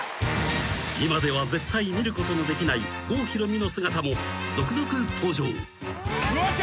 ［今では絶対見ることのできない郷ひろみの姿も続々登場］